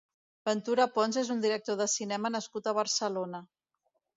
Ventura Pons és un director de cinema nascut a Barcelona.